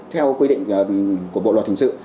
theo quy định của bộ luật hình sự